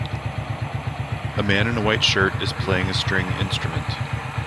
A man in a white shirt is playing a string instrument.